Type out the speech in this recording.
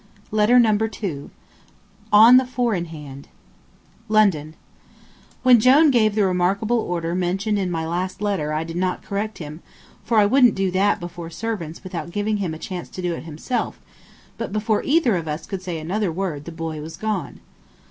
Letter Number Two LONDON When Jone gave the remarkable order mentioned in my last letter I did not correct him, for I wouldn't do that before servants without giving him a chance to do it himself; but before either of us could say another word the boy was gone.